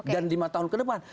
dan lima tahun ke depan